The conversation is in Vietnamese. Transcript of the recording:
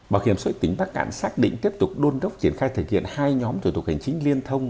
bảo hiểm sội tỉnh bắc cạn xác định tiếp tục đôn đốc triển khai thực hiện hai nhóm thủ tục hành chính liên thông